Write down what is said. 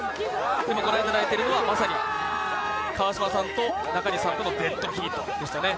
今ごらんいただいているのは、川島さんと中西さんとのデッドヒートでしたね。